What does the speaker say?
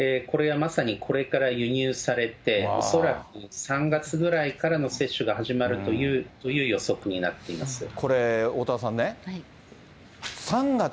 これはまさにこれから輸入されて、恐らく３月ぐらいからの接種が始まるという予測になっています。